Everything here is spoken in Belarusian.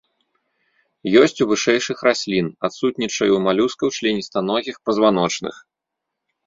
Ёсць у вышэйшых раслін, адсутнічае ў малюскаў, членістаногіх, пазваночных.